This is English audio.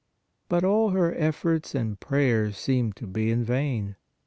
But all her efforts and prayers seemed to be in vain.